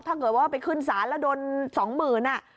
ถ้าเกิดว่าไปขึ้นศาลแล้วโดน๒๐๐๐บาท